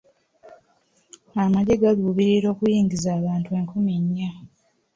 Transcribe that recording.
Amagye galuubirira okuyingiza abantu enkumi nnya.